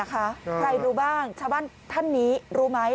ใครรู้บ้างชาวบ้านท่านนี้รู้ไหม